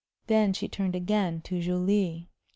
Then she turned again to Julie.